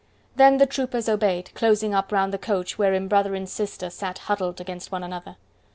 Then the troopers obeyed, closing up round the coach wherein brother and sister sat huddled against one another.